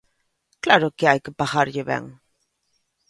¡Claro que hai que pagarlle ben!